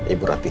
ibu ratih ya